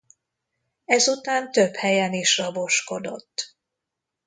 Ezután több helyen is raboskodott.